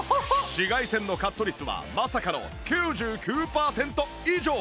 紫外線のカット率はまさかの９９パーセント以上